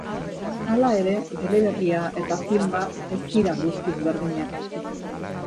Hala ere, eleberria eta filma ez dira guztiz berdinak.